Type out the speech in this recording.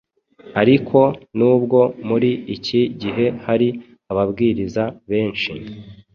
Ariko nubwo muri iki gihe hari ababwiriza benshi,